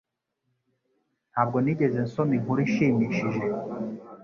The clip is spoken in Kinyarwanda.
Ntabwo nigeze nsoma inkuru ishimishije.